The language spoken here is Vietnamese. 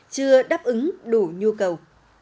chưa đáp ứng đủ nhu cầu